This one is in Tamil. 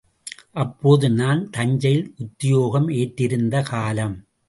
அப்போது நான் தஞ்சையில் உத்தியோகம் ஏற்றிருந்த காலம்.